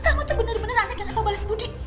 kamu tuh bener bener anak gak tau bales mudik